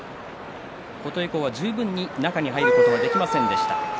琴恵光は十分に中に入ることができませんでした。